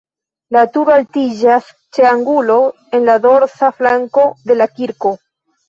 La turo altiĝas ĉe angulo en la dorsa flanko de la kirko.